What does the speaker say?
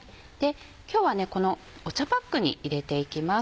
今日はこのお茶パックに入れていきます。